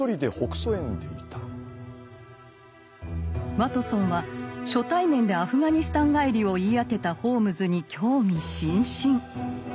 ワトソンは初対面でアフガニスタン帰りを言い当てたホームズに興味津々。